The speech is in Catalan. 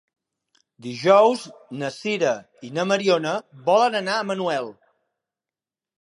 Dijous na Sira i na Mariona volen anar a Manuel.